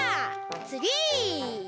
つぎ！